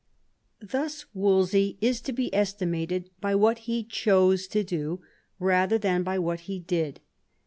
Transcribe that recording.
Thus Wolsey is to be estimated by what he chose to do rather than by what he did.